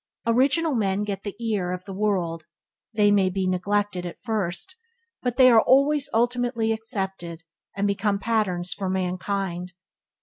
Original men get the ear of the world. They may be neglected at first, but they are always ultimately accepted, and become patterns for mankind.